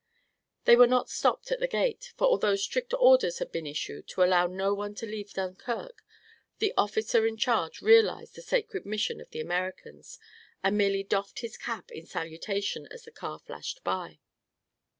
They were not stopped at the gate, for although strict orders had been issued to allow no one to leave Dunkirk, the officer in charge realized the sacred mission of the Americans and merely doffed his cap in salutation as the car flashed by.